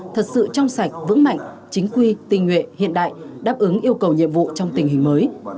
thật sự trong sạch vững mạnh chính quy tình nguyện hiện đại đáp ứng yêu cầu nhiệm vụ trong tình hình mới